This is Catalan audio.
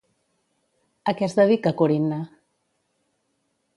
A què es dedica Corinna?